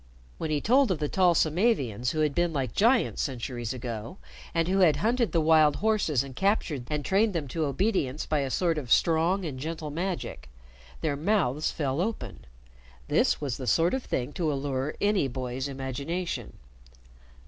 When he told of the tall Samavians who had been like giants centuries ago, and who had hunted the wild horses and captured and trained them to obedience by a sort of strong and gentle magic, their mouths fell open. This was the sort of thing to allure any boy's imagination.